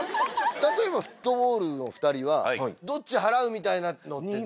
例えばフットボールの２人はどっち払うみたいなのって？